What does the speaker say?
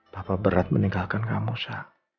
papa berat meninggalkan kamu sya